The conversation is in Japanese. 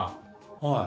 はい。